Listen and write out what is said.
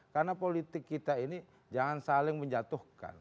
karena politik kita ini jangan saling menjatuhkan